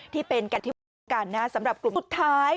ที่เป็นการทิวร์กันน่ะสำหรับกลุ่มสุดท้าย